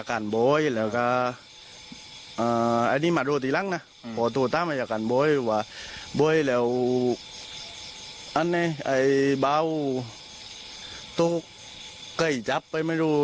อันนี้ไอ้เบาตกใกล้จับไปไม่รู้